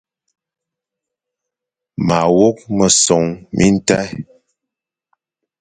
Ma wok mesong bi tèn.